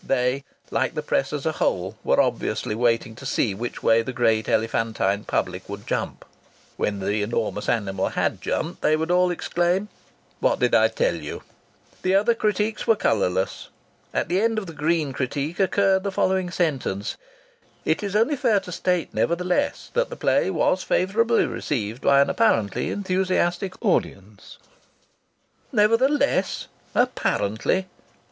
They, like the press as a whole, were obviously waiting to see which way the great elephantine public would jump. When the enormous animal had jumped they would all exclaim: "What did I tell you?" The other critiques were colourless. At the end of the green critique occurred the following sentence: "It is only fair to state, nevertheless, that the play was favourably received by an apparently enthusiastic audience." "Nevertheless!" ... "Apparently!"